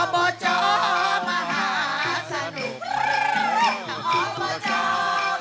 บจมหาสนุก